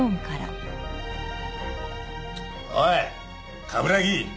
おい冠城！